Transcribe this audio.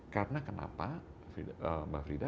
karena kenapa mbak frida